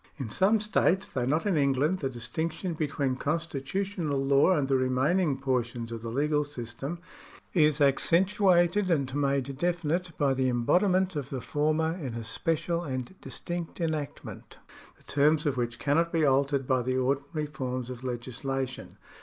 In some .states, tliough not in Englauel, the distiactiou between con stitutional law and the x'eniaining portions of the legal system is accen tuated and made definite by the embodiment of the former in a special and distinct enactment, the terms of which cannot be altered by the ordinary forms of legislation.